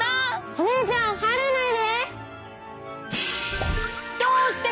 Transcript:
お姉ちゃん入らないで！